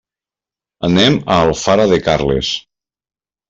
Anem a Alfara de Carles.